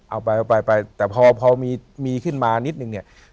เอาไปไปแต่พอมีขึ้นมานิดนึงเนี่ย